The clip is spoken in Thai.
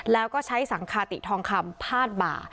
แล้วก็ใช้สังคาติทองคำพาดบ่า